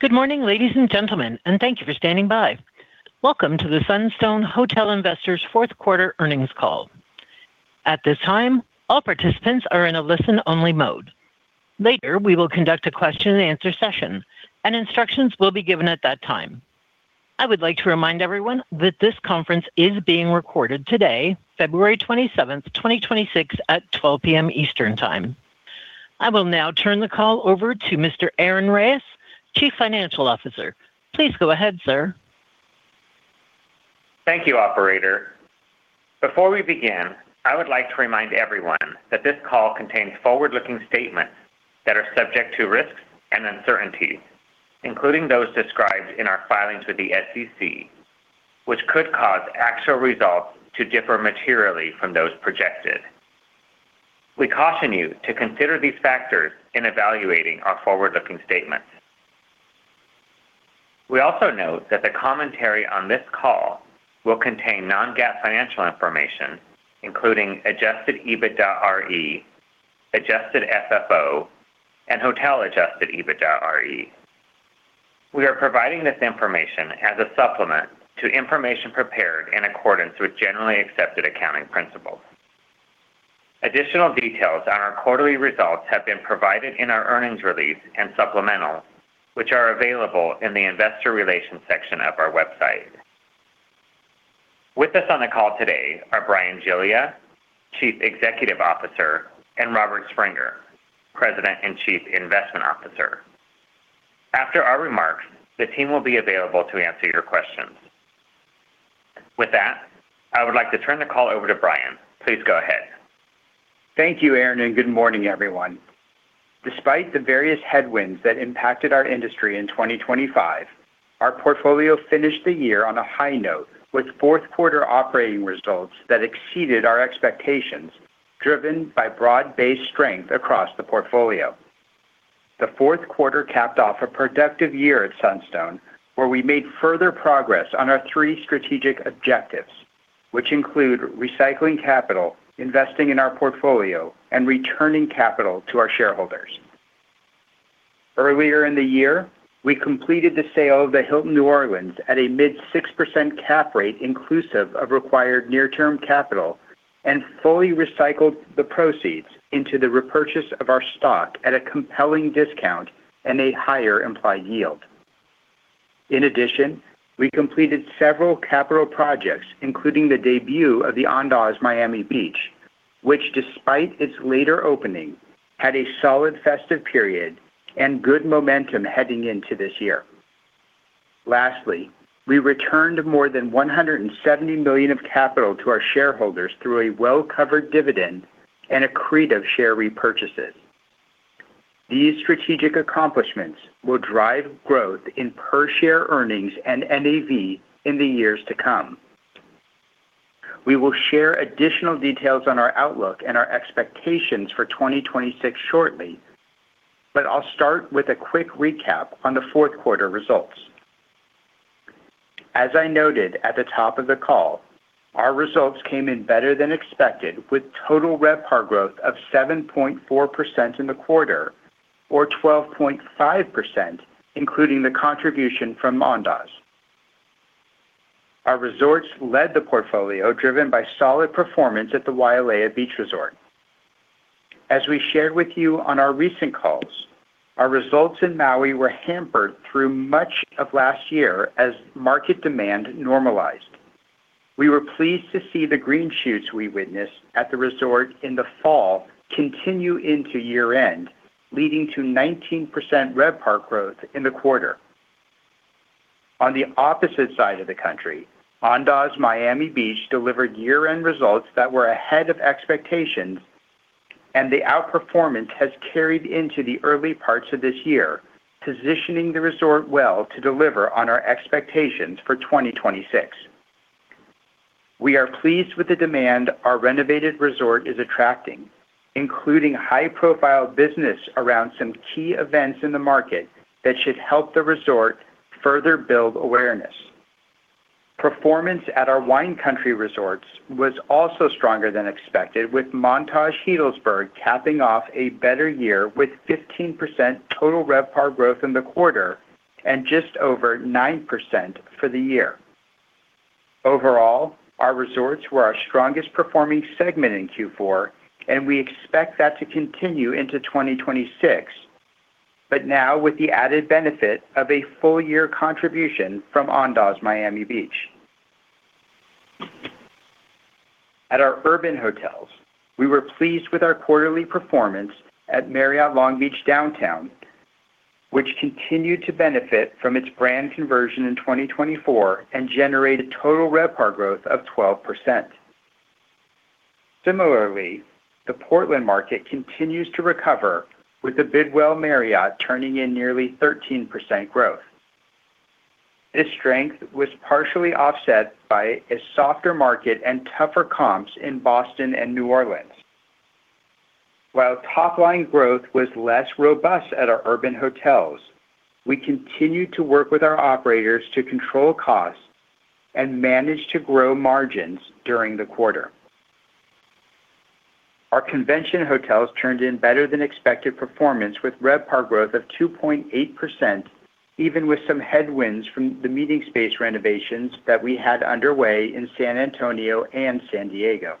Good morning, ladies and gentlemen, and thank you for standing by. Welcome to the Sunstone Hotel Investors Fourth Quarter Earnings Call. At this time, all participants are in a listen-only mode. Later, we will conduct a question-and-answer session, and instructions will be given at that time. I would like to remind everyone that this conference is being recorded today, February 27th, 2026, at 12:00 P.M. Eastern Time. I will now turn the call over to Mr. Aaron Reyes, Chief Financial Officer. Please go ahead, sir. Thank you, operator. Before we begin, I would like to remind everyone that this call contains forward-looking statements that are subject to risks and uncertainties, including those described in our filings with the SEC, which could cause actual results to differ materially from those projected. We caution you to consider these factors in evaluating our forward-looking statements. We also note that the commentary on this call will contain non-GAAP financial information, including Adjusted EBITDAre, Adjusted FFO, and Hotel Adjusted EBITDAre. We are providing this information as a supplement to information prepared in accordance with generally accepted accounting principles. Additional details on our quarterly results have been provided in our earnings release and supplemental, which are available in the Investor Relations section of our website. With us on the call today are Bryan Giglia, Chief Executive Officer, and Robert Springer, President and Chief Investment Officer. After our remarks, the team will be available to answer your questions. With that, I would like to turn the call over to Bryan. Please go ahead. Thank you, Aaron, good morning, everyone. Despite the various headwinds that impacted our industry in 2025, our portfolio finished the year on a high note with fourth quarter operating results that exceeded our expectations, driven by broad-based strength across the portfolio. The fourth quarter capped off a productive year at Sunstone, where we made further progress on our three strategic objectives, which include recycling capital, investing in our portfolio, and returning capital to our shareholders. Earlier in the year, we completed the sale of the Hilton New Orleans St. Charles at a mid 6% cap rate inclusive of required near-term capital and fully recycled the proceeds into the repurchase of our stock at a compelling discount and a higher implied yield. In addition, we completed several capital projects, including the debut of the Andaz Miami Beach, which despite its later opening, had a solid festive period and good momentum heading into this year. Lastly, we returned more than $170 million of capital to our shareholders through a well-covered dividend and accretive share repurchases. These strategic accomplishments will drive growth in per share earnings and NAV in the years to come. We will share additional details on our outlook and our expectations for 2026 shortly, but I'll start with a quick recap on the fourth quarter results. As I noted at the top of the call, our results came in better than expected with total RevPAR growth of 7.4% in the quarter or 12.5% including the contribution from Andaz. Our resorts led the portfolio driven by solid performance at the Wailea Beach Resort. As we shared with you on our recent calls, our results in Maui were hampered through much of last year as market demand normalized. We were pleased to see the green shoots we witnessed at the resort in the fall continue into year-end, leading to 19% RevPAR growth in the quarter. On the opposite side of the country, Andaz Miami Beach delivered year-end results that were ahead of expectations, and the outperformance has carried into the early parts of this year, positioning the resort well to deliver on our expectations for 2026. We are pleased with the demand our renovated resort is attracting, including high-profile business around some key events in the market that should help the resort further build awareness. Performance at our wine country resorts was also stronger than expected, with Montage Healdsburg capping off a better year with 15% total RevPAR growth in the quarter and just over 9% for the year. Our resorts were our strongest performing segment in Q4, and we expect that to continue into 2026, but now with the added benefit of a full year contribution from Andaz Miami Beach. At our urban hotels, we were pleased with our quarterly performance at Marriott Long Beach Downtown, which continued to benefit from its brand conversion in 2024 and generated total RevPAR growth of 12%. The Portland market continues to recover with the Bidwell Marriott turning in nearly 13% growth. This strength was partially offset by a softer market and tougher comps in Boston and New Orleans. While top-line growth was less robust at our urban hotels, we continued to work with our operators to control costs and managed to grow margins during the quarter. Our convention hotels turned in better than expected performance with RevPAR growth of 2.8% even with some headwinds from the meeting space renovations that we had underway in San Antonio and San Diego.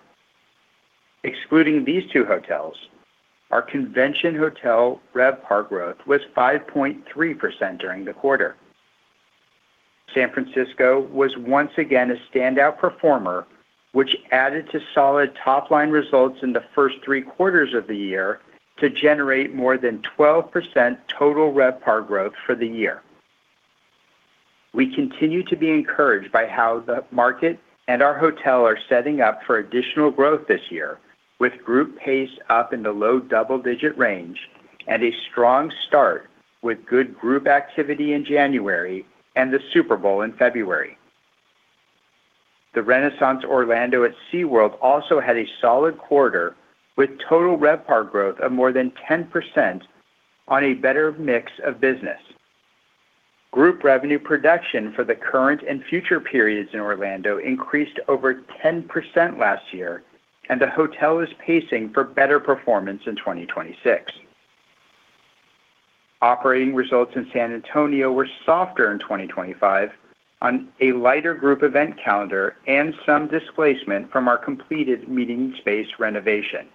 Excluding these two hotels, our convention hotel RevPAR growth was 5.3% during the quarter. San Francisco was once again a standout performer, which added to solid top-line results in the first three quarters of the year to generate more than 12% total RevPAR growth for the year. We continue to be encouraged by how the market and our hotel are setting up for additional growth this year with group pace up in the low double-digit range and a strong start with good group activity in January and the Super Bowl in February. The Renaissance Orlando at SeaWorld also had a solid quarter with total RevPAR growth of more than 10% on a better mix of business. Group revenue production for the current and future periods in Orlando increased over 10% last year, and the hotel is pacing for better performance in 2026. Operating results in San Antonio were softer in 2025 on a lighter group event calendar and some displacement from our completed meeting space renovation.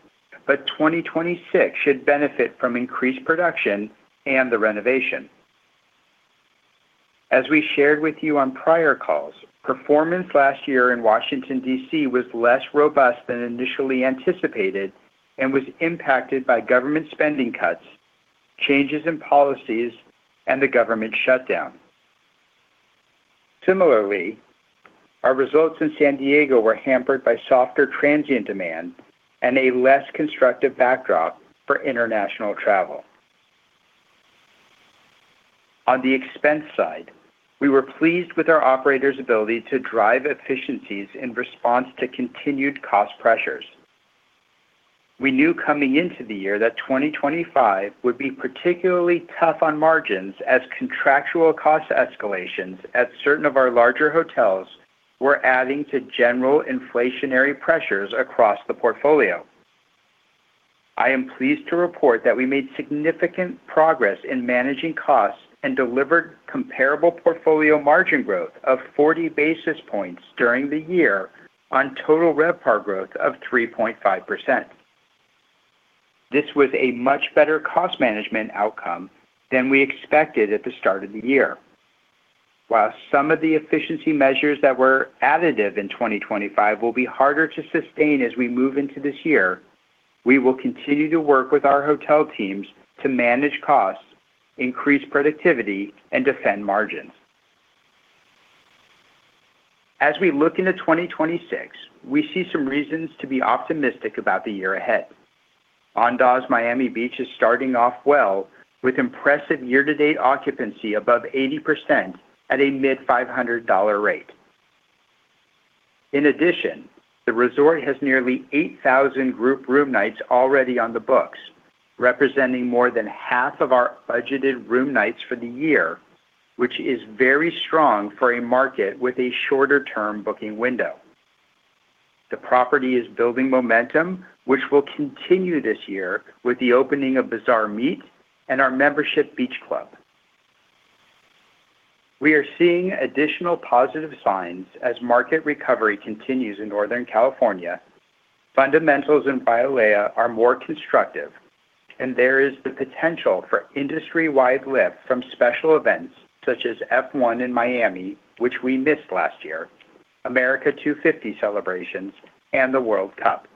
2026 should benefit from increased production and the renovation. As we shared with you on prior calls, performance last year in Washington, D.C. was less robust than initially anticipated and was impacted by government spending cuts, changes in policies, and the government shutdown. Similarly, our results in San Diego were hampered by softer transient demand and a less constructive backdrop for international travel. On the expense side, we were pleased with our operators' ability to drive efficiencies in response to continued cost pressures. We knew coming into the year that 2025 would be particularly tough on margins as contractual cost escalations at certain of our larger hotels were adding to general inflationary pressures across the portfolio. I am pleased to report that we made significant progress in managing costs and delivered comparable portfolio margin growth of 40 basis points during the year on total RevPAR growth of 3.5%. This was a much better cost management outcome than we expected at the start of the year. While some of the efficiency measures that were additive in 2025 will be harder to sustain as we move into this year, we will continue to work with our hotel teams to manage costs, increase productivity, and defend margins. As we look into 2026, we see some reasons to be optimistic about the year ahead. Andaz Miami Beach is starting off well with impressive year-to-date occupancy above 80% at a mid-$500 rate. In addition, the resort has nearly 8,000 group room nights already on the books, representing more than half of our budgeted room nights for the year, which is very strong for a market with a shorter term booking window. The property is building momentum, which will continue this year with the opening of Bazaar Meat and our membership Beach Club. We are seeing additional positive signs as market recovery continues in Northern California. Fundamentals in Wailea are more constructive, and there is the potential for industry-wide lift from special events such as F1 in Miami, which we missed last year, America 250 celebrations, and the World Cup.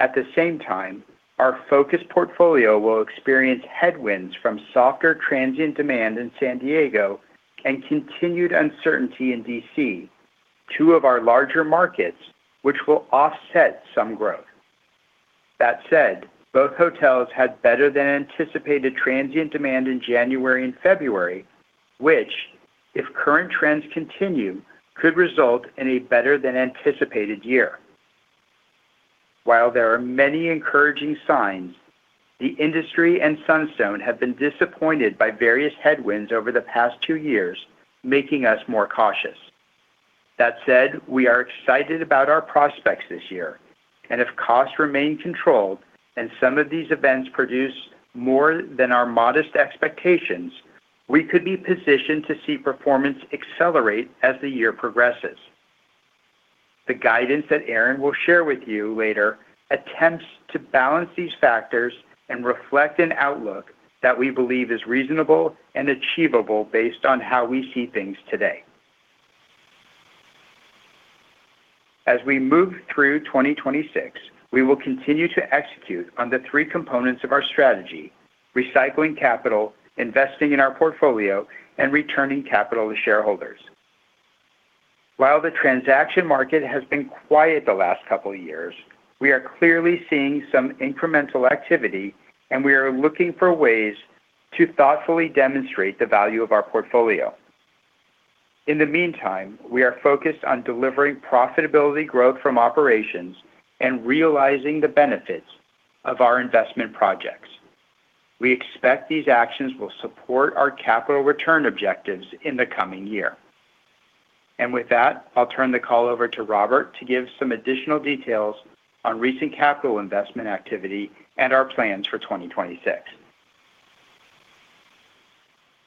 Our focused portfolio will experience headwinds from softer transient demand in San Diego and continued uncertainty in D.C., two of our larger markets, which will offset some growth. Both hotels had better than anticipated transient demand in January and February, which, if current trends continue, could result in a better than anticipated year. The industry and Sunstone have been disappointed by various headwinds over the past two years, making us more cautious. We are excited about our prospects this year. If costs remain controlled and some of these events produce more than our modest expectations, we could be positioned to see performance accelerate as the year progresses. The guidance that Aaron will share with you later attempts to balance these factors and reflect an outlook that we believe is reasonable and achievable based on how we see things today. As we move through 2026, we will continue to execute on the three components of our strategy: recycling capital, investing in our portfolio, and returning capital to shareholders. While the transaction market has been quiet the last couple of years, we are clearly seeing some incremental activity, and we are looking for ways to thoughtfully demonstrate the value of our portfolio. In the meantime, we are focused on delivering profitability growth from operations and realizing the benefits of our investment projects. We expect these actions will support our capital return objectives in the coming year. With that, I'll turn the call over to Robert to give some additional details on recent capital investment activity and our plans for 2026.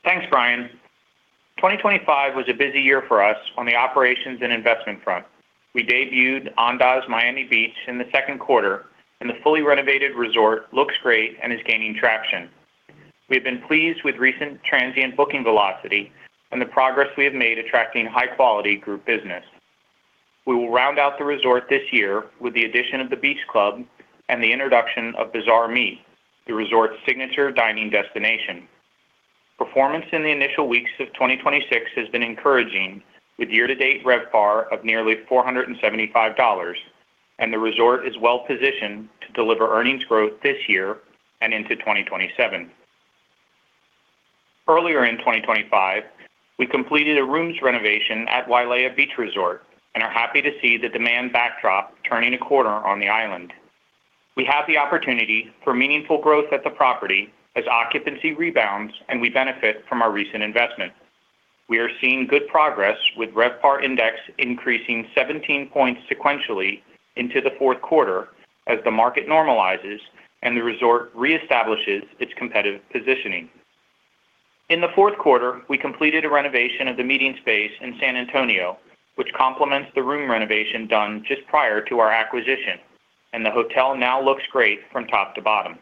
Thanks, Bryan. 2025 was a busy year for us on the operations and investment front. We debuted Andaz Miami Beach in the second quarter, and the fully renovated resort looks great and is gaining traction. We've been pleased with recent transient booking velocity and the progress we have made attracting high-quality group business. We will round out the resort this year with the addition of the Beach Club and the introduction of Bazaar Meat, the resort's signature dining destination. Performance in the initial weeks of 2026 has been encouraging with year-to-date RevPAR of nearly $475, and the resort is well positioned to deliver earnings growth this year and into 2027. Earlier in 2025, we completed a rooms renovation at Wailea Beach Resort and are happy to see the demand backdrop turning a corner on the island. We have the opportunity for meaningful growth at the property as occupancy rebounds, and we benefit from our recent investment. We are seeing good progress with RevPAR index increasing 17 points sequentially into the fourth quarter as the market normalizes and the resort reestablishes its competitive positioning. In the fourth quarter, we completed a renovation of the meeting space in San Antonio, which complements the room renovation done just prior to our acquisition, and the hotel now looks great from top to bottom.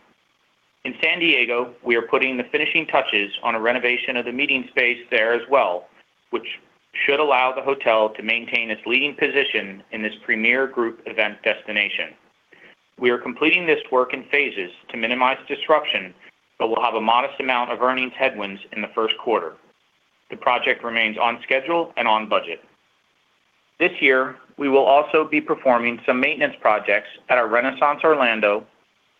In San Diego, we are putting the finishing touches on a renovation of the meeting space there as well, which should allow the hotel to maintain its leading position in this premier group event destination. We are completing this work in phases to minimize disruption but will have a modest amount of earnings headwinds in the first quarter. The project remains on schedule and on budget. This year, we will also be performing some maintenance projects at our Renaissance Orlando,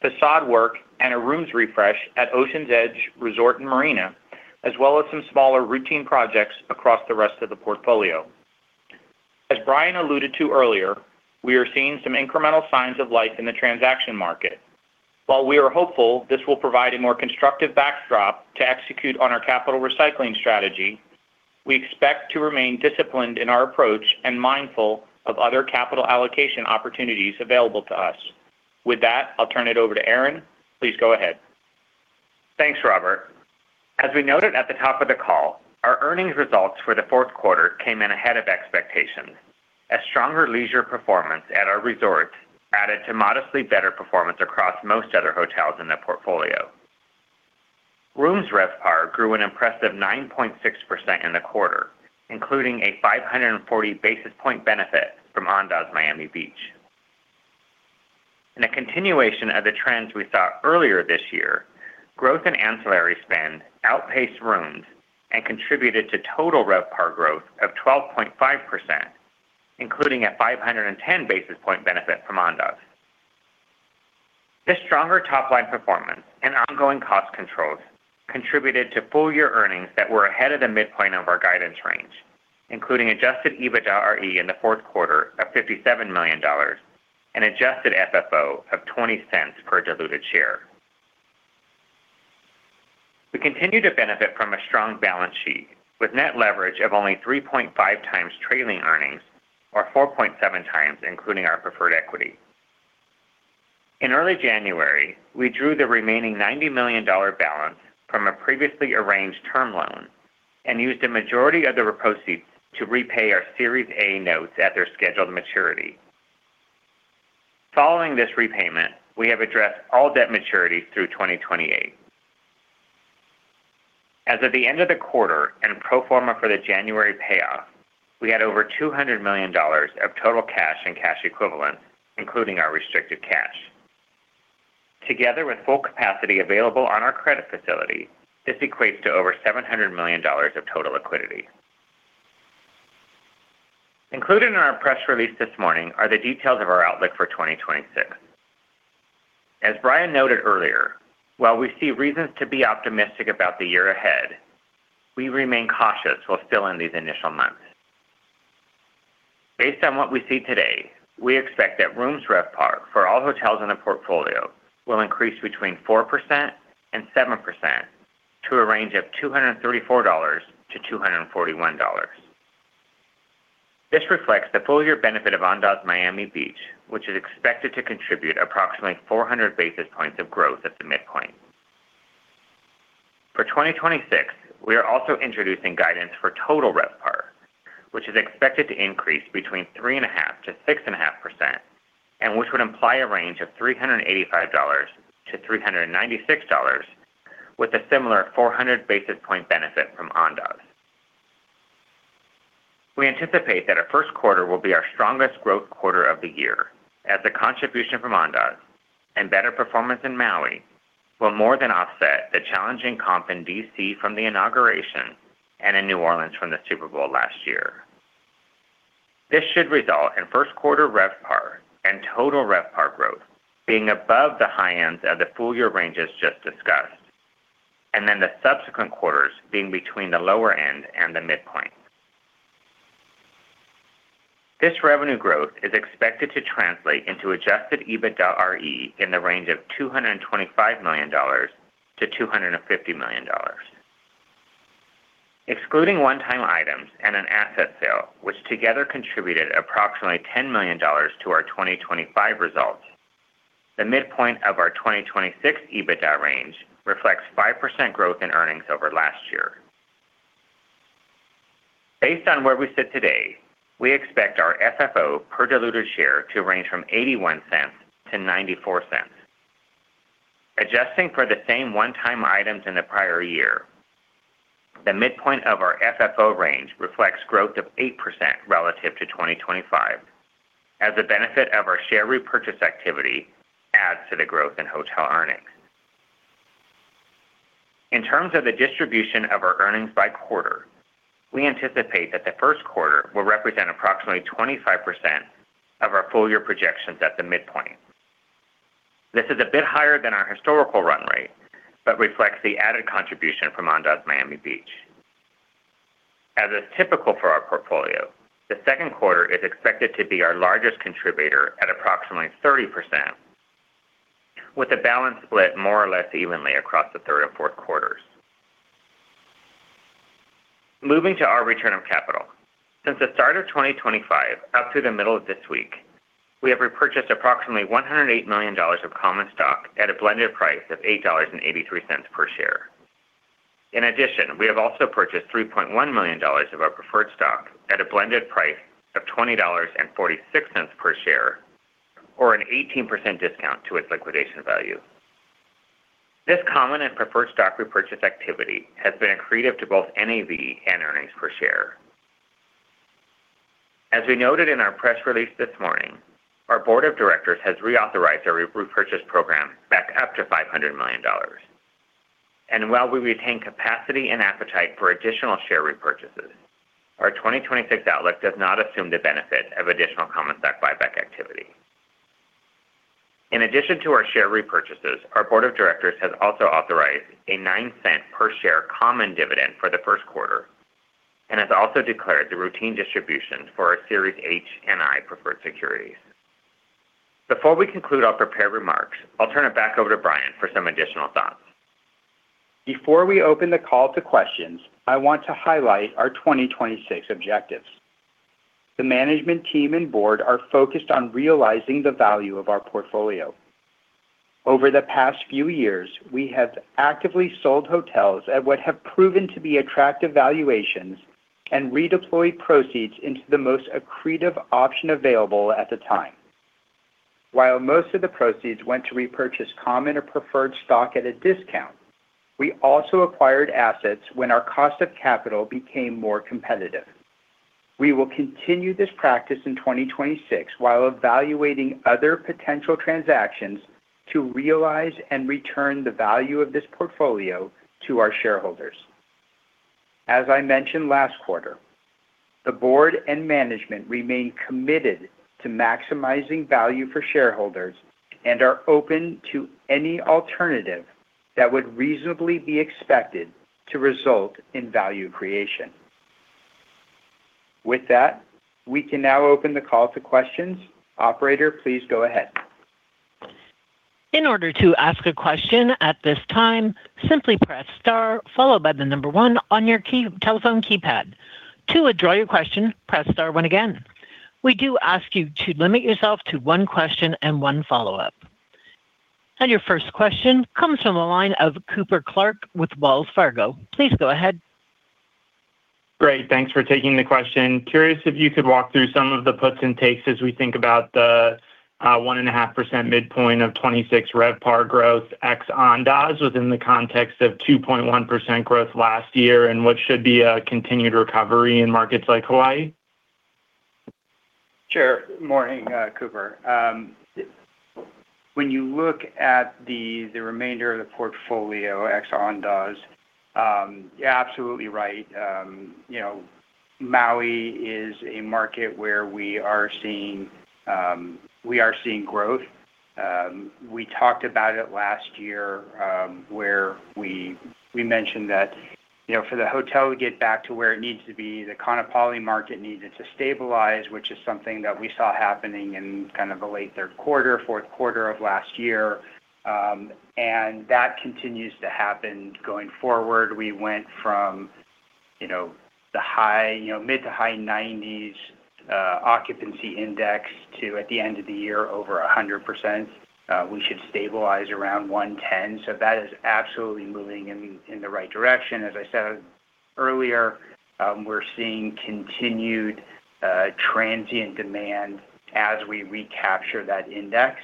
facade work, and a rooms refresh at Oceans Edge Resort & Marina, as well as some smaller routine projects across the rest of the portfolio. As Bryan alluded to earlier, we are seeing some incremental signs of life in the transaction market. While we are hopeful this will provide a more constructive backdrop to execute on our capital recycling strategy, we expect to remain disciplined in our approach and mindful of other capital allocation opportunities available to us. With that, I'll turn it over to Aaron. Please go ahead. Thanks, Robert. As we noted at the top of the call, our earnings results for the fourth quarter came in ahead of expectations. A stronger leisure performance at our resort added to modestly better performance across most other hotels in the portfolio. Rooms RevPAR grew an impressive 9.6% in the quarter, including a 540 basis point benefit from Andaz Miami Beach. In a continuation of the trends we saw earlier this year, growth in ancillary spend outpaced rooms and contributed to total RevPAR growth of 12.5%, including a 510 basis point benefit from Andaz. This stronger top-line performance and ongoing cost controls contributed to full-year earnings that were ahead of the midpoint of our guidance range, including Adjusted EBITDAre in the fourth quarter of $57 million and Adjusted FFO of $0.20 per diluted share. We continue to benefit from a strong balance sheet with net leverage of only 3.5 times trailing earnings or 4.7 times, including our preferred equity. In early January, we drew the remaining $90 million balance from a previously arranged term loan and used a majority of the proceeds to repay our Series A Notes at their scheduled maturity. Following this repayment, we have addressed all debt maturities through 2028. As of the end of the quarter and pro forma for the January payoff, we had over $200 million of total cash and cash equivalents, including our restricted cash. Together with full capacity available on our credit facility, this equates to over $700 million of total liquidity. Included in our press release this morning are the details of our outlook for 2026. As Bryan noted earlier, while we see reasons to be optimistic about the year ahead, we remain cautious while still in these initial months. Based on what we see today, we expect that rooms RevPAR for all hotels in the portfolio will increase between 4% and 7% to a range of $234-$241. This reflects the full year benefit of Andaz Miami Beach, which is expected to contribute approximately 400 basis points of growth at the midpoint. For 2026, we are also introducing guidance for total RevPAR, which is expected to increase between 3.5%-6.5%, and which would imply a range of $385-$396 with a similar 400 basis point benefit from Andaz. We anticipate that our first quarter will be our strongest growth quarter of the year as the contribution from Andaz and better performance in Maui will more than offset the challenging comp in D.C. from the inauguration and in New Orleans from the Super Bowl last year. This should result in first quarter RevPAR and total RevPAR growth being above the high ends of the full year ranges just discussed, and then the subsequent quarters being between the lower end and the midpoint. This revenue growth is expected to translate into Adjusted EBITDAre in the range of $225 million-$250 million. Excluding one-time items and an asset sale, which together contributed approximately $10 million to our 2025 results, the midpoint of our 2026 EBITDA range reflects 5% growth in earnings over last year. Based on where we sit today, we expect our FFO per diluted share to range from $0.81 to $0.94. Adjusting for the same one-time items in the prior year, the midpoint of our FFO range reflects growth of 8% relative to 2025 as the benefit of our share repurchase activity adds to the growth in hotel earnings. In terms of the distribution of our earnings by quarter, we anticipate that the first quarter will represent approximately 25% of our full year projections at the midpoint. This is a bit higher than our historical run rate, but reflects the added contribution from Andaz Miami Beach. As is typical for our portfolio, the second quarter is expected to be our largest contributor at approximately 30%, with the balance split more or less evenly across the third and fourth quarters. Moving to our return of capital. Since the start of 2025 up to the middle of this week, we have repurchased approximately $108 million of common stock at a blended price of $8.83 per share. In addition, we have also purchased $3.1 million of our preferred stock at a blended price of $20.46 per share, or an 18% discount to its liquidation value. This common and preferred stock repurchase activity has been accretive to both NAV and earnings per share. As we noted in our press release this morning, our board of directors has reauthorized our repurchase program back up to $500 million. While we retain capacity and appetite for additional share repurchases, our 2026 outlook does not assume the benefit of additional common stock buyback activity. In addition to our share repurchases, our board of directors has also authorized a $0.09 per share common dividend for the first quarter and has also declared the routine distributions for our Series H and I preferred securities. Before we conclude our prepared remarks, I'll turn it back over to Bryan for some additional thoughts. Before we open the call to questions, I want to highlight our 2026 objectives. The management team and board are focused on realizing the value of our portfolio. Over the past few years, we have actively sold hotels at what have proven to be attractive valuations and redeployed proceeds into the most accretive option available at the time. While most of the proceeds went to repurchase common or preferred stock at a discount, we also acquired assets when our cost of capital became more competitive. We will continue this practice in 2026 while evaluating other potential transactions to realize and return the value of this portfolio to our shareholders. As I mentioned last quarter, the board and management remain committed to maximizing value for shareholders and are open to any alternative that would reasonably be expected to result in value creation. With that, we can now open the call to questions. Operator, please go ahead. In order to ask a question at this time, simply press star followed by one on your telephone keypad. To withdraw your question, press star one again. We do ask you to limit yourself to one question and one follow-up. Your first question comes from the line of Cooper Clark with Wells Fargo. Please go ahead. Great. Thanks for taking the question. Curious if you could walk through some of the puts and takes as we think about the 1.5% midpoint of 2026 RevPAR growth ex-Andaz within the context of 2.1% growth last year and what should be a continued recovery in markets like Hawaii. Sure. Morning, Cooper. When you look at the remainder of the portfolio ex-Andaz, you're absolutely right. You know, Maui is a market where we are seeing, we are seeing growth. We talked about it last year, where we mentioned that, you know, for the hotel to get back to where it needs to be, the Kaanapali market needed to stabilize, which is something that we saw happening in kind of the late third quarter, fourth quarter of last year, and that continues to happen going forward. We went from, you know, the high, you know, mid to high 90s, occupancy index to, at the end of the year, over 100%. We should stabilize around 110. That is absolutely moving in the right direction. As I said earlier, we're seeing continued transient demand as we recapture that index.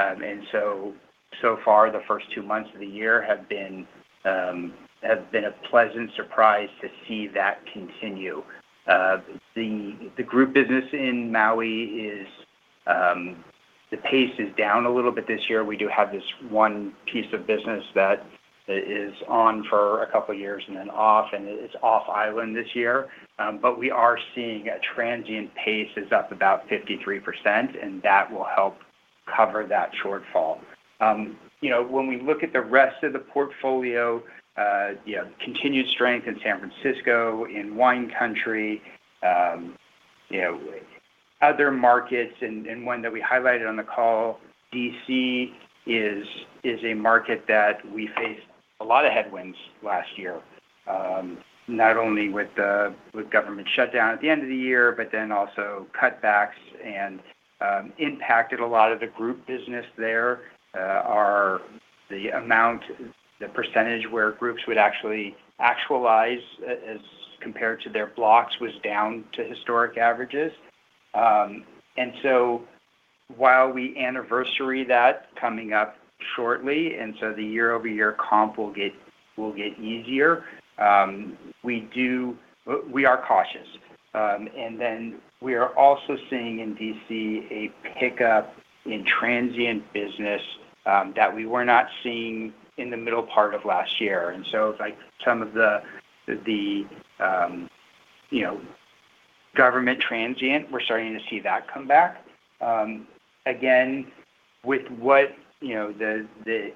So far the first two months of the year have been a pleasant surprise to see that continue. The group business in Maui is the pace is down a little bit this year. We do have this one piece of business that is on for a couple of years and then off, and it's off island this year. We are seeing a transient pace is up about 53%, and that will help cover that shortfall. You know, when we look at the rest of the portfolio, you know, continued strength in San Francisco, in Wine Country, you know, other markets and one that we highlighted on the call, D.C. is a market that we faced a lot of headwinds last year. Not only with the government shutdown at the end of the year, but then also cutbacks and, impacted a lot of the group business there. The amount, the percentage where groups would actually actualize as compared to their blocks was down to historic averages. While we anniversary that coming up shortly, and so the year-over-year comp will get easier, we are cautious. Then we are also seeing in D.C. a pickup in transient business that we were not seeing in the middle part of last year. So like some of the, you know, government transient, we're starting to see that come back. Again, with what, you know, the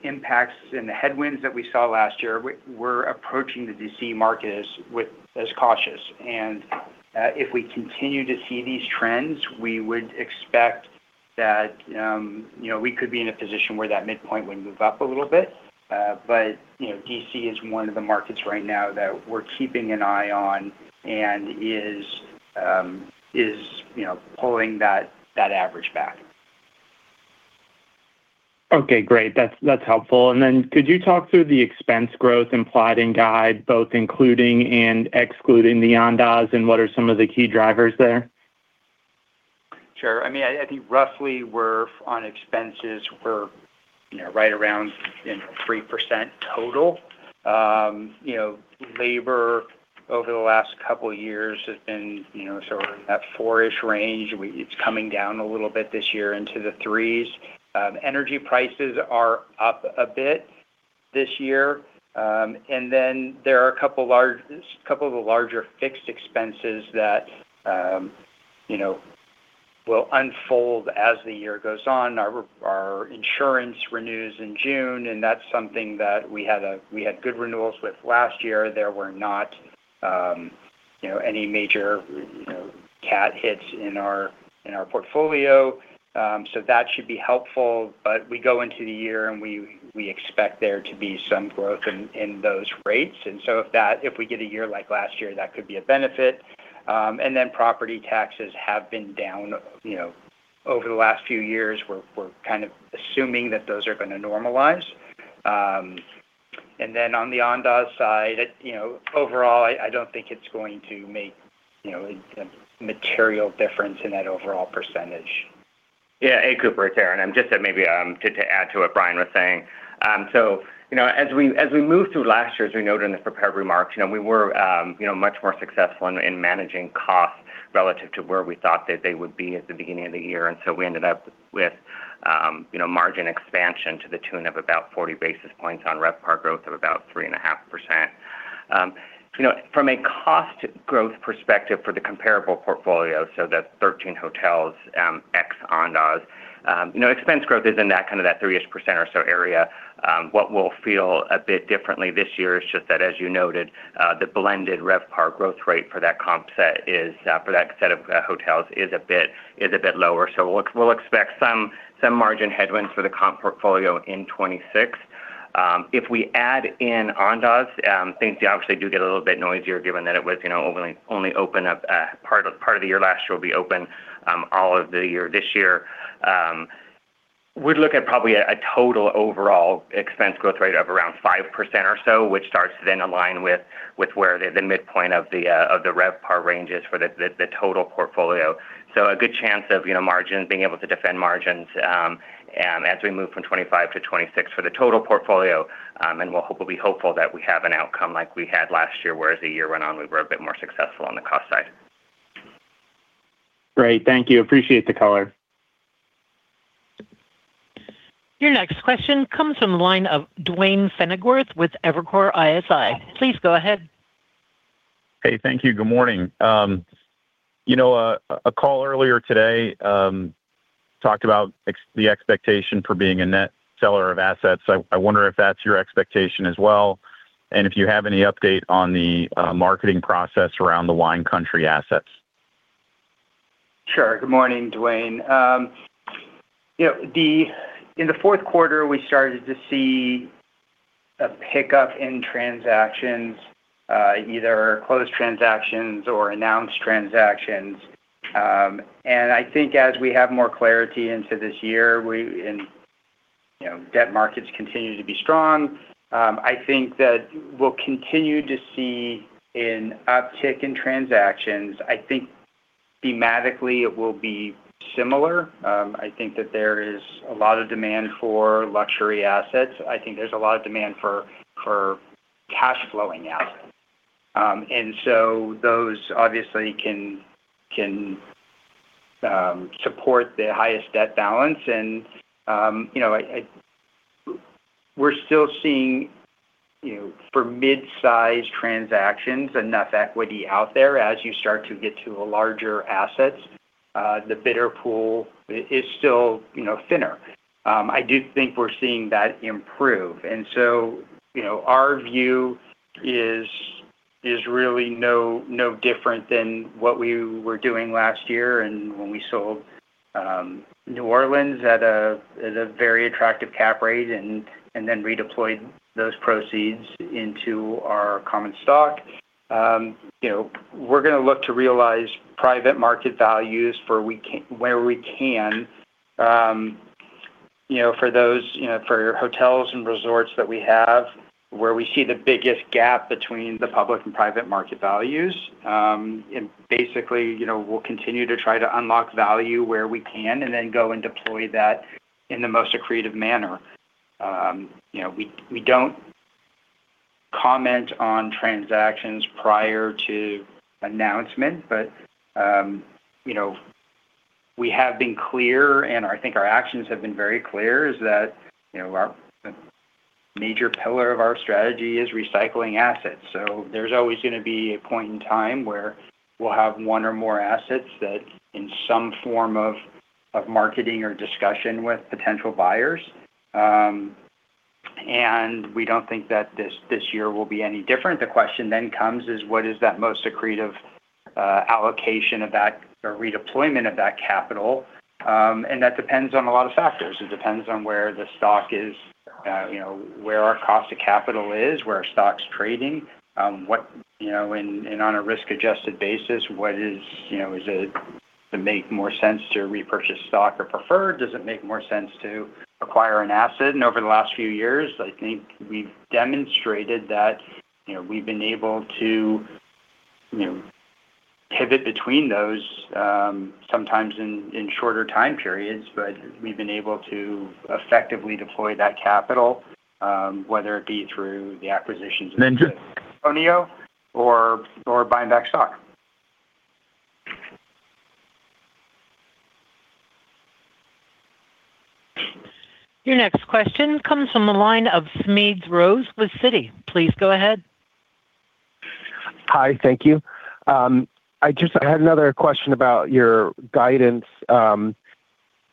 impacts and the headwinds that we saw last year, we're approaching the D.C. market as cautious. If we continue to see these trends, we would expect that, you know, we could be in a position where that midpoint would move up a little bit. You know, D.C. is one of the markets right now that we're keeping an eye on and is, you know, pulling that average back. Okay, great. That's helpful. Then could you talk through the expense growth implied in guide, both including and excluding the Andaz, and what are some of the key drivers there? Sure. I mean, I think roughly we're on expenses, we're, you know, right around, you know, 3% total. You know, labor over the last couple years has been, you know, sort of at four-ish range. It's coming down a little bit this year into the 3s. Energy prices are up a bit this year. Then there are a couple of the larger fixed expenses that, you know, will unfold as the year goes on. Our insurance renews in June, and that's something that we had good renewals with last year. There were not, you know, any major, you know, CAT hits in our portfolio, so that should be helpful. We go into the year and we expect there to be some growth in those rates. If we get a year like last year, that could be a benefit. Property taxes have been down, you know, over the last few years. We're kind of assuming that those are gonna normalize. On the Andaz side, you know, overall, I don't think it's going to make, you know, a material difference in that overall percentage. Yeah. Hey, Cooper, it's Aaron. Just to maybe to add to what Bryan was saying. You know, as we moved through last year, as we noted in the prepared remarks, you know, we were, you know, much more successful in managing costs relative to where we thought that they would be at the beginning of the year. We ended up with, you know, margin expansion to the tune of about 40 basis points on RevPAR growth of about 3.5%. You know, from a cost growth perspective for the comparable portfolio, so the 13 hotels, ex-Andaz, you know, expense growth is in that, kind of that three-ish% or so area. What we'll feel a bit differently this year is just that, as you noted, the blended RevPAR growth rate for that comp set is for that set of hotels is a bit lower. We'll expect some margin headwinds for the comp portfolio in 2026. If we add in Andaz, things obviously do get a little bit noisier given that it was, you know, only open up part of the year last year. It'll be open all of the year this year. We'd look at probably a total overall expense growth rate of around 5% or so, which starts to then align with where the midpoint of the RevPAR range is for the total portfolio. A good chance of, you know, being able to defend margins as we move from 2025 to 2026 for the total portfolio. And we'll be hopeful that we have an outcome like we had last year, where as the year went on, we were a bit more successful on the cost side. Great. Thank you. Appreciate the color. Your next question comes from the line of Duane Pfennigwerth with Evercore ISI. Please go ahead. Hey, thank you. Good morning. You know, a call earlier today talked about the expectation for being a net seller of assets. I wonder if that's your expectation as well, and if you have any update on the marketing process around the Wine Country assets. Sure. Good morning, Duane. You know, In the fourth quarter, we started to see a pickup in transactions, either closed transactions or announced transactions. I think as we have more clarity into this year, you know, debt markets continue to be strong, I think that we'll continue to see an uptick in transactions. I think thematically it will be similar. I think that there is a lot of demand for luxury assets. I think there's a lot of demand for cash flowing assets. So those obviously can support the highest debt balance. We're still seeing, you know, for mid-sized transactions, enough equity out there. As you start to get to larger assets, the bidder pool is still, you know, thinner. I do think we're seeing that improve. So, you know, our view is really no different than what we were doing last year and when we sold New Orleans at a very attractive cap rate and then redeployed those proceeds into our common stock. You know, we're gonna look to realize private market values where we can, you know, for those, you know, for hotels and resorts that we have where we see the biggest gap between the public and private market values. Basically, you know, we'll continue to try to unlock value where we can and then go and deploy that in the most accretive manner. You know, we don't comment on transactions prior to announcement, but, you know, we have been clear, and I think our actions have been very clear is that, you know, our major pillar of our strategy is recycling assets. There's always gonna be a point in time where we'll have one or more assets that in some form of marketing or discussion with potential buyers. We don't think that this year will be any different. The question then comes is what is that most accretive allocation of that or redeployment of that capital? That depends on a lot of factors. It depends on where the stock is, you know, where our cost of capital is, where our stock's trading, what, you know, and on a risk-adjusted basis, what is, you know, is it to make more sense to repurchase stock or preferred? Does it make more sense to acquire an asset? Over the last few years, I think we've demonstrated that, you know, we've been able to, you know, pivot between those, sometimes in shorter time periods, but we've been able to effectively deploy that capital, whether it be through the acquisitions of San Antonio or buying back stock. Your next question comes from the line of Smedes Rose with Citi. Please go ahead. Hi. Thank you. I had another question about your guidance,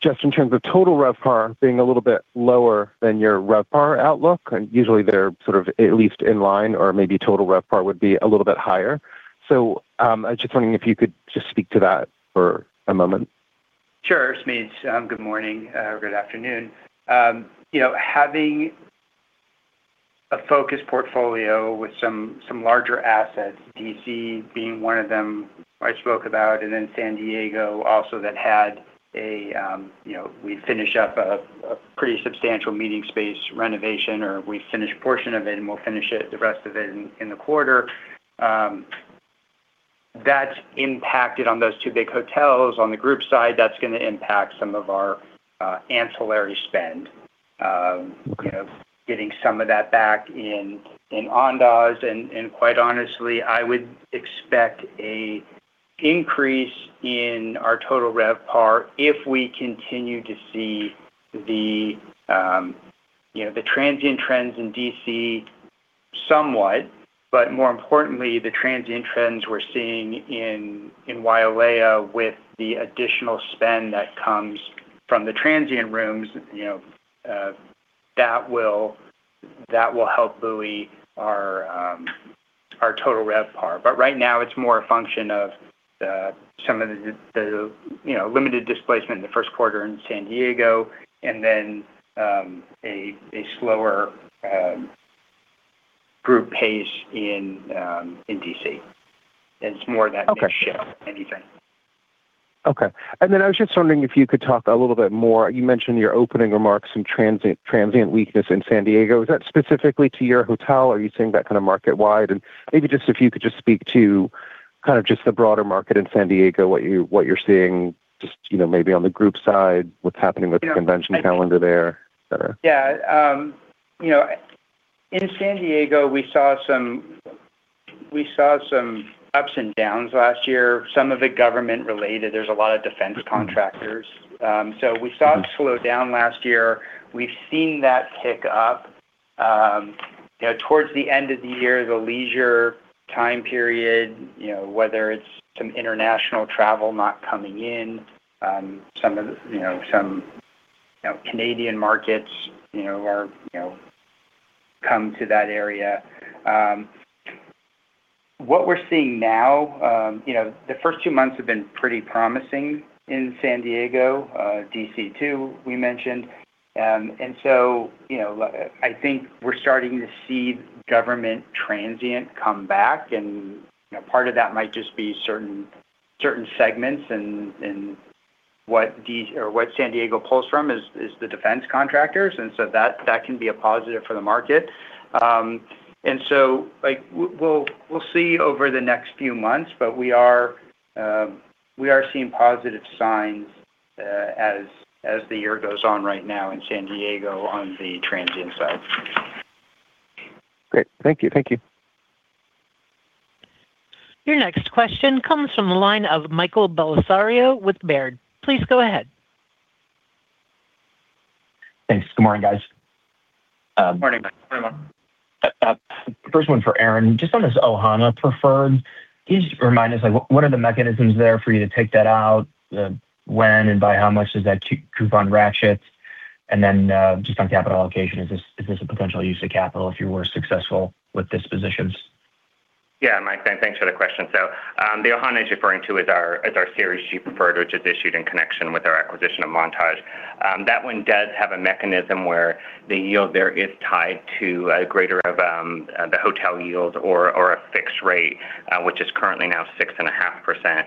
just in terms of total RevPAR being a little bit lower than your RevPAR outlook. Usually they're sort of at least in line or maybe total RevPAR would be a little bit higher. I was just wondering if you could just speak to that for a moment. Sure, Smedes. Good morning or good afternoon. You know, having a focused portfolio with some larger assets, D.C. being one of them I spoke about, and then San Diego also that had a, you know, we finish up a pretty substantial meeting space renovation, or we finish a portion of it, and we'll finish it, the rest of it in the quarter. That's impacted on those two big hotels. On the group side, that's gonna impact some of our ancillary spend, you know, getting some of that back in Andaz. Quite honestly, I would expect a increase in our total RevPAR if we continue to see the, you know, the transient trends in D.C. somewhat, but more importantly, the transient trends we're seeing in Wailea with the additional spend that comes from the transient rooms, you know, that will, that will help buoy our total RevPAR. Right now, it's more a function of the, some of the, you know, limited displacement in the first quarter in San Diego and then a slower group pace in D.C. It's more of that shift than anything. I was just wondering if you could talk a little bit more. You mentioned in your opening remarks some transient weakness in San Diego. Is that specifically to your hotel? Are you seeing that kind of market wide? Maybe just if you could just speak to kind of just the broader market in San Diego, what you're seeing just, you know, maybe on the group side, what's happening with the convention calendar there, et cetera. Yeah. You know, in San Diego, we saw some ups and downs last year. Some of it government related. There's a lot of defense contractors. We saw it slow down last year. We've seen that pick up, you know, towards the end of the year, the leisure time period, you know, whether it's some international travel not coming in, some of, you know, some, you know, Canadian markets, you know, are, you know, come to that area. What we're seeing now, you know, the first two months have been pretty promising in San Diego, D.C. too, we mentioned. You know, I think we're starting to see government transient come back and, you know, part of that might just be certain segments and what San Diego pulls from is the defense contractors, and so that can be a positive for the market. Like, we'll see over the next few months, but we are seeing positive signs, as the year goes on right now in San Diego on the transient side. Great. Thank you. Thank you. Your next question comes from the line of Michael Bellisario with Baird. Please go ahead. Thanks. Good morning, guys. Good morning. First one for Aaron, just on this Ohana Preferred. Can you just remind us, like, what are the mechanisms there for you to take that out? When and by how much does that coupon ratchet? Then, just on capital allocation, is this a potential use of capital if you were successful with dispositions? Yeah, Mike, thanks for the question. The Ohana is referring to is our Series G Preferred, which is issued in connection with our acquisition of Montage. That one does have a mechanism where the yield there is tied to a greater of the hotel yields or a fixed rate, which is currently now 6.5%.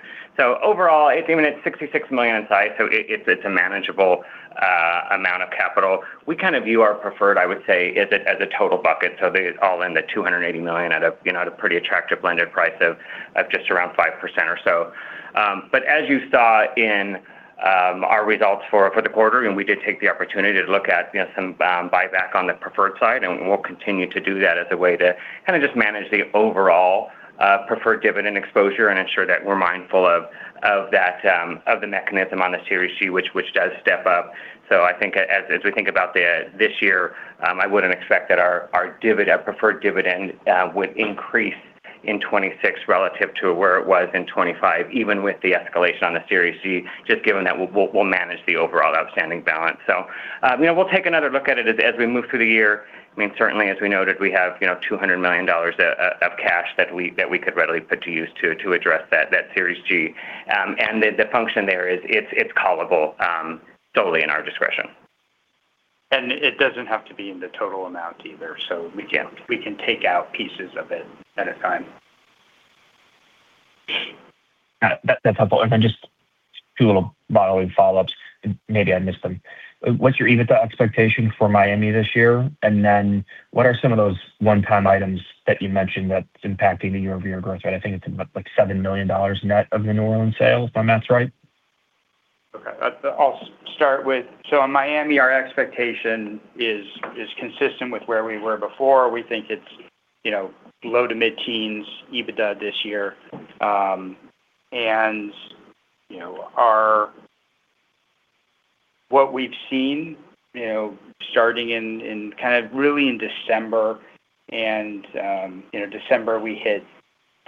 Overall, it's even at $66 million in size, so it's a manageable amount of capital. We kind of view our preferred, I would say, as a total bucket. They all end at $280 million at a, you know, a pretty attractive blended price of, at just around 5% or so. As you saw in our results for the quarter, we did take the opportunity to look at, you know, some buyback on the preferred side, and we'll continue to do that as a way to kinda just manage the overall preferred dividend exposure and ensure that we're mindful of that of the mechanism on the Series G, which does step up. I think as we think about this year, I wouldn't expect that our preferred dividend would increase in 26 relative to where it was in 25, even with the escalation on the Series G, just given that we'll manage the overall outstanding balance. You know, we'll take another look at it as we move through the year. I mean, certainly, as we noted, we have, you know, $200 million of cash that we could readily put to use to address that Series G. The function there is, it's callable, solely in our discretion. It doesn't have to be in the total amount either, so we can take out pieces of it at a time. That's helpful. Then just two little modeling follow-ups, and maybe I missed them. What's your EBITDA expectation for Miami this year? Then what are some of those onetime items that you mentioned that's impacting the year-over-year growth rate? I think it's about like $7 million net of the New Orleans sale, if that's right. On Miami, our expectation is consistent with where we were before. We think it's, you know, low to mid-teens EBITDA this year. You know, What we've seen, you know, starting in kind of really in December, and, in December, we hit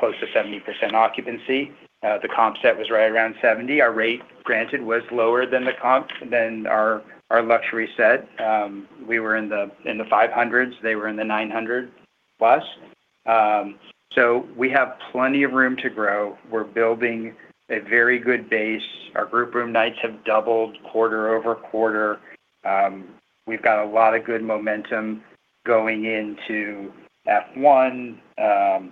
close to 70% occupancy. The comp set was right around 70. Our rate, granted, was lower than the comp than our luxury set. We were in the, in the $500s. They were in the $900+. We have plenty of room to grow. We're building a very good base. Our group room nights have doubled quarter-over-quarter. We've got a lot of good momentum going into F1, and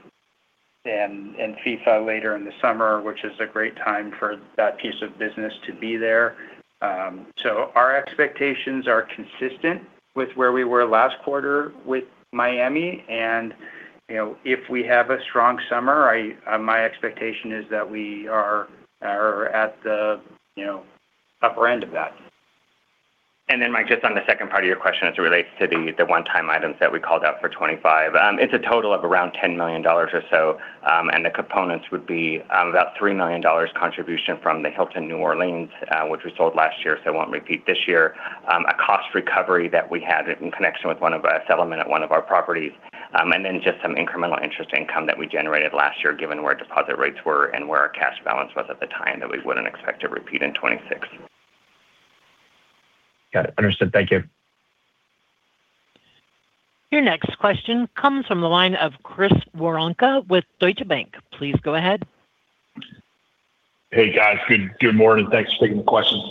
FIFA later in the summer, which is a great time for that piece of business to be there. Our expectations are consistent with where we were last quarter with Miami. You know, if we have a strong summer, I, my expectation is that we are at the, you know, upper end of that. Mike, just on the second part of your question as it relates to the onetime items that we called out for 25. It's a total of around $10 million or so. The components would be about $3 million contribution from the Hilton New Orleans, which we sold last year, so won't repeat this year. A cost recovery that we had in connection with one of a settlement at one of our properties. Just some incremental interest income that we generated last year, given where deposit rates were and where our cash balance was at the time that we wouldn't expect to repeat in 2026. Got it. Understood. Thank you. Your next question comes from the line of Chris Woronka with Deutsche Bank. Please go ahead. Hey, guys. Good morning, and thanks for taking the questions.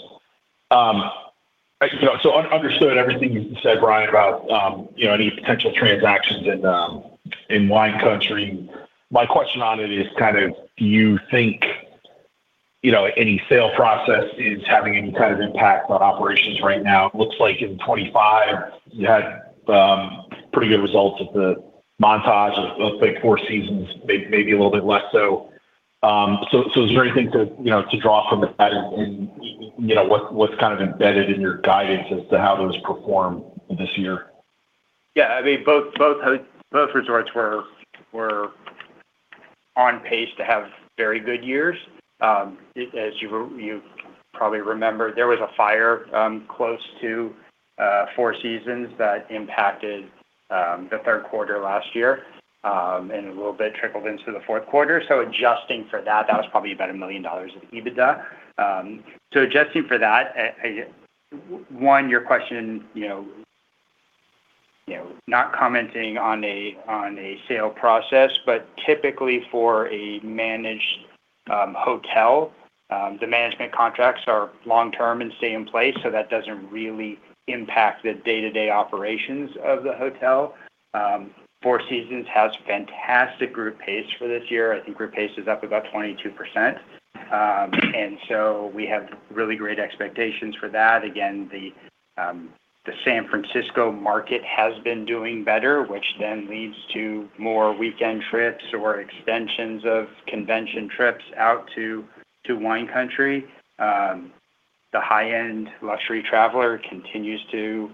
Understood everything you said, Bryan, about, you know, any potential transactions in Wine Country. My question on it is kind of, do you think, you know, any sale process is having any kind of impact on operations right now? It looks like in 25, you had pretty good results at the Montage. It looks like Four Seasons maybe a little bit less so. Is there anything to, you know, to draw from that? You know, what's kind of embedded in your guidance as to how those perform this year? Yeah. I mean, both resorts were on pace to have very good years. As you probably remember, there was a fire close to Four Seasons that impacted the third quarter last year, and a little bit trickled into the fourth quarter. Adjusting for that was probably about $1 million of EBITDA. Adjusting for that, one, your question, you know, not commenting on a sale process, but typically for a managed hotel, the management contracts are long-term and stay in place, so that doesn't really impact the day-to-day operations of the hotel. Four Seasons has fantastic group pace for this year. I think group pace is up about 22%. We have really great expectations for that. The San Francisco market has been doing better, which then leads to more weekend trips or extensions of convention trips out to Wine Country. The high-end luxury traveler continues to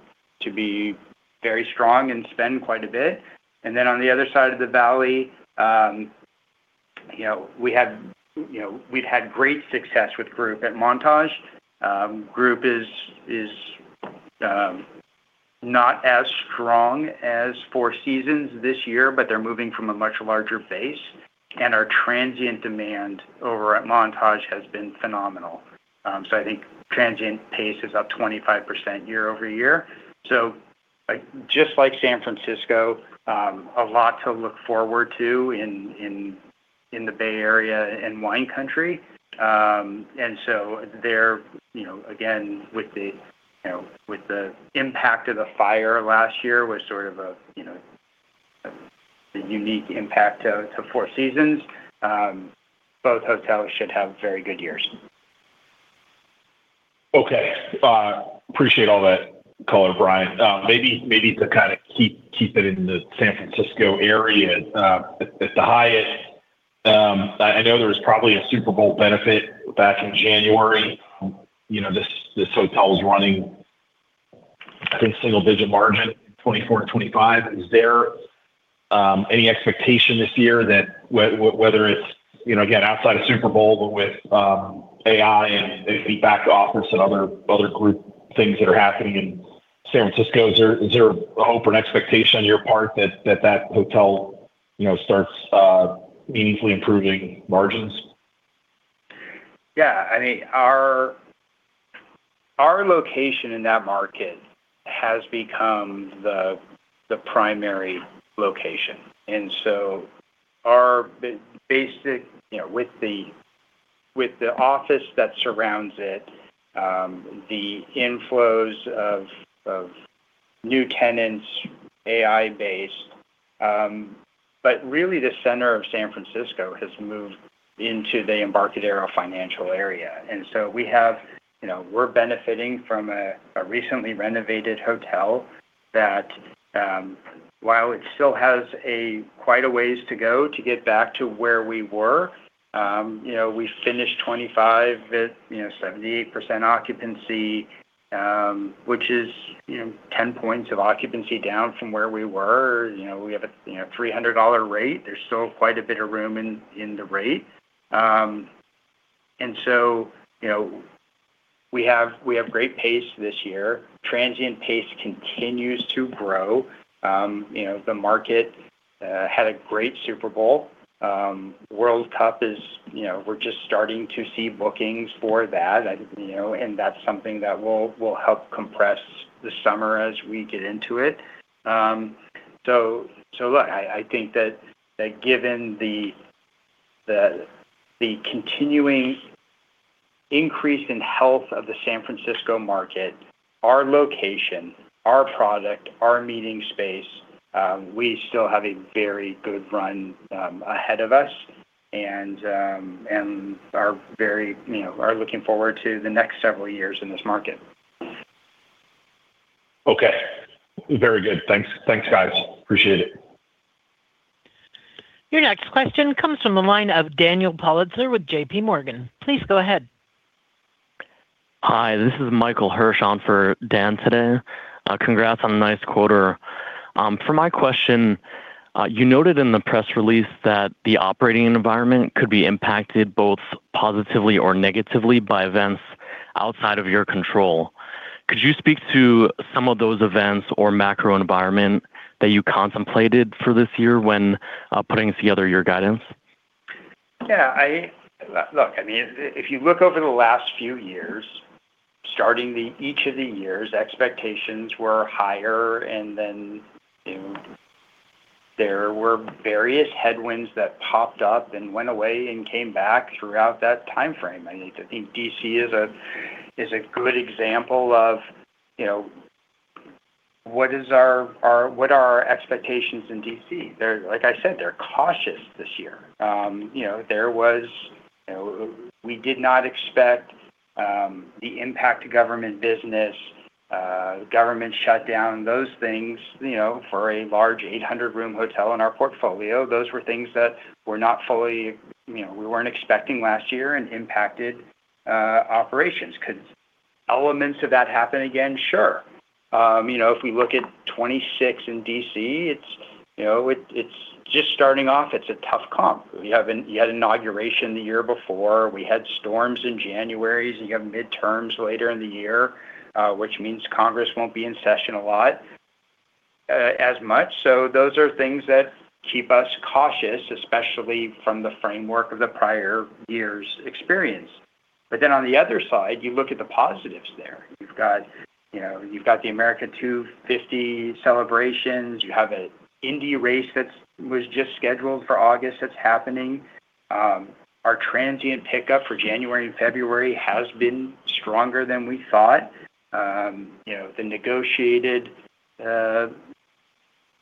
be very strong and spend quite a bit. On the other side of the valley, you know, we had, you know, we'd had great success with group at Montage. Group is not as strong as Four Seasons this year, but they're moving from a much larger base, and our transient demand over at Montage has been phenomenal. I think transient pace is up 25% year-over-year. Like, just like San Francisco, a lot to look forward to in the Bay Area and Wine Country. There, you know, again, with the, you know, with the impact of the fire last year was sort of a, you know, a unique impact to Four Seasons. Both hotels should have very good years. Okay, appreciate all that color, Bryan. Maybe to kinda keep it in the San Francisco area. At the Hyatt, I know there was probably a Super Bowl benefit back in January. You know, this hotel's running, I think, single digit margin, 2024 and 2025. Is there any expectation this year that whether it's, you know, again, outside of Super Bowl, but with AI and feedback to office and other group things that are happening in San Francisco, is there a hope or an expectation on your part that hotel, you know, starts meaningfully improving margins? Yeah. I mean, our location in that market has become the primary location. Our basic, you know, with the office that surrounds it, the inflows of new tenants, AI-based, but really the center of San Francisco has moved into the Embarcadero financial area. We have, you know, we're benefiting from a recently renovated hotel that, while it still has quite a ways to go to get back to where we were, you know, we finished 2025 at, you know, 78% occupancy, which is, you know, 10 points of occupancy down from where we were. You know, we have a, you know, $300 rate. There's still quite a bit of room in the rate. You know, we have great pace this year. Transient pace continues to grow. You know, the market had a great Super Bowl. World Cup is, you know, we're just starting to see bookings for that. I, you know, and that's something that will help compress the summer as we get into it. Look, I think that given the, the continuing increase in health of the San Francisco market, our location, our product, our meeting space, we still have a very good run ahead of us and are very, you know, are looking forward to the next several years in this market. Okay. Very good. Thanks. Thanks, guys. Appreciate it. Your next question comes from the line of Daniel Politzer with J.P. Morgan. Please go ahead. Hi, this is Michael Hirsh on for Dan today. Congrats on a nice quarter. For my question, you noted in the press release that the operating environment could be impacted both positively or negatively by events outside of your control. Could you speak to some of those events or macro environment that you contemplated for this year when putting together your guidance? Yeah. I mean, if you look over the last few years, starting each of the years, expectations were higher, and then, you know, there were various headwinds that popped up and went away and came back throughout that timeframe. I think D.C. is a good example of, you know, what are our expectations in D.C.? Like I said, they're cautious this year. You know, there was, you know, we did not expect the impact to government business, government shutdown, those things, you know, for a large 800 room hotel in our portfolio. Those were things that were not fully, you know, we weren't expecting last year and impacted operations. Could elements of that happen again? Sure. You know, if we look at 26 in D.C., you know, it's just starting off, it's a tough comp. You had inauguration the year before. We had storms in January, you have midterms later in the year, which means Congress won't be in session a lot as much. Those are things that keep us cautious, especially from the framework of the prior year's experience. On the other side, you look at the positives there. You've got, you know, you've got the America 250 celebrations. You have an Indy race that's was just scheduled for August that's happening. Our transient pickup for January and February has been stronger than we thought. You know, the negotiated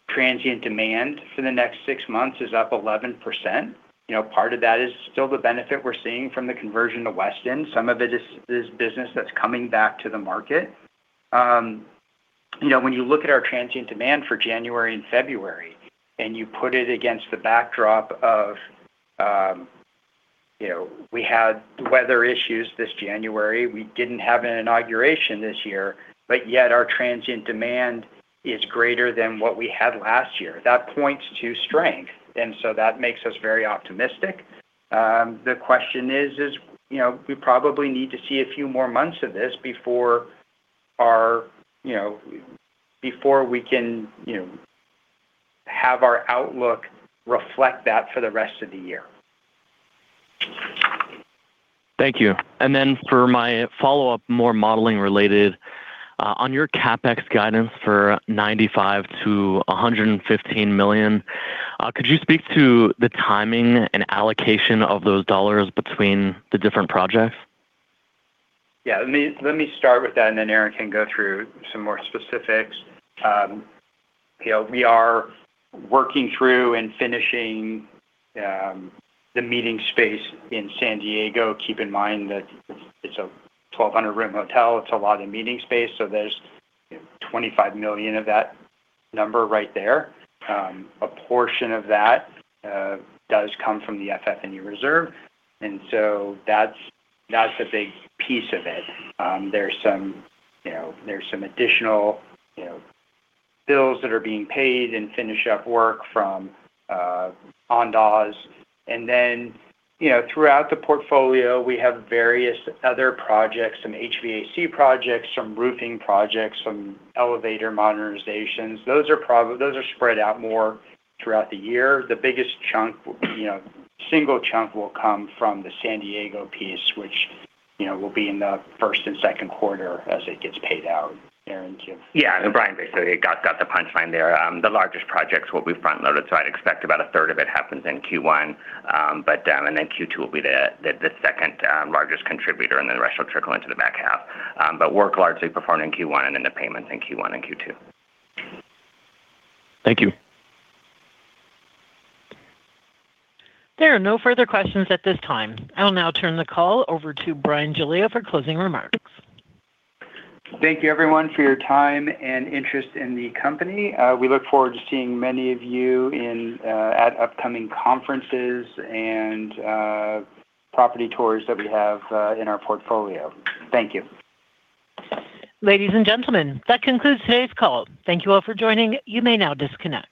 transient demand for the next six months is up 11%. You know, part of that is still the benefit we're seeing from the conversion to Westin. Some of it is business that's coming back to the market. You know, when you look at our transient demand for January and February, and you put it against the backdrop of, you know, we had weather issues this January. We didn't have an inauguration this year, yet our transient demand is greater than what we had last year. That points to strength. That makes us very optimistic. The question is, you know, we probably need to see a few more months of this before we can, you know, have our outlook reflect that for the rest of the year. Thank you. For my follow-up, more modeling related. On your CapEx guidance for $95 million-$115 million, could you speak to the timing and allocation of those dollars between the different projects? Yeah. Let me start with that. Aaron Reyes can go through some more specifics. You know, we are working through and finishing the meeting space in San Diego. Keep in mind that it's a 1,200-room hotel. It's a lot of meeting space, so there's $25 million of that number right there. A portion of that does come from the FF&E Reserve. That's a big piece of it. There's some, you know, additional, you know, bills that are being paid and finish up work from Andaz. Throughout the portfolio, you know, we have various other projects: some HVAC projects, some roofing projects, some elevator modernizations. Those are spread out more throughout the year. The biggest chunk, you know, single chunk will come from the San Diego piece, which, you know, will be in the first and second quarter as it gets paid out. Aaron, give- Yeah. Bryan, basically got the punch line there. The largest projects will be front-loaded, so I'd expect about a third of it happens in Q1. Then Q2 will be the second largest contributor, and then the rest will trickle into the back half. Work largely performed in Q1 and then the payments in Q1 and Q2. Thank you. There are no further questions at this time. I will now turn the call over to Bryan Giglia for closing remarks. Thank you everyone for your time and interest in the company. We look forward to seeing many of you in at upcoming conferences and property tours that we have in our portfolio. Thank you. Ladies and gentlemen, that concludes today's call. Thank you all for joining. You may now disconnect.